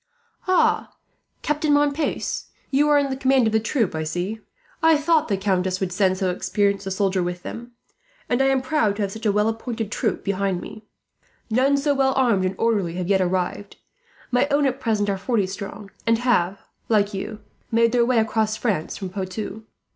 "Ah, Captain Montpace, you are in command of the troop, I see. I thought the countess would send so experienced a soldier with them, and I am proud to have such a well appointed troop behind me. None so well armed and orderly have yet arrived. My own at present are forty strong, and have, like you, made their way across France from Poitou.